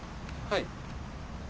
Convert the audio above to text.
はい。